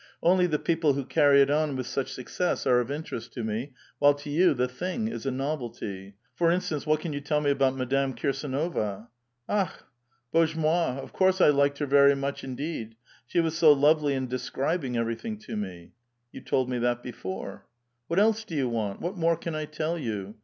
Only the people who carry it on with such success are of interest to me, while to you the thing is a novelty. For instancrc, what can you tell me about Madame Kirsdnova?" *'^Akh! Bozlie moi! Of couree I liked her very much indeed. She was so loviely in describing everything to me." *' You told roe that before." '' What else do yon want? What more can I tell you?